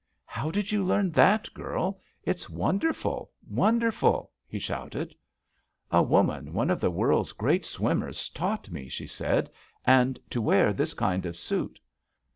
"How did you learn that, girl? It's won derful I wonderful 1" he shouted. A woman, one of the world's great swim mers, taught me," she said, "and to wear this kind of suit.